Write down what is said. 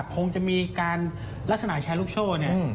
คงจะมีการรัจสนาชายลูกโชว์เนี่ย